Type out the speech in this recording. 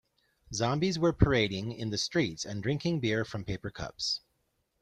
Zombies were parading in the streets and drinking beer from paper cups.